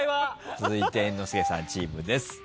続いて猿之助さんチームです。